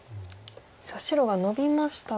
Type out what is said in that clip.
白がノビましたが。